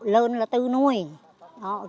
lơn là tư nuôi